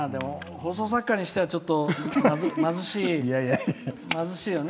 放送作家にしては貧しいよね